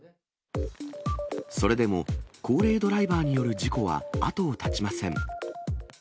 それでも高齢ドライバーによる事故は後を絶ちません。